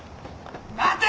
待て。